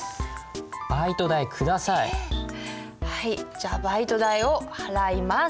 じゃあバイト代を払います。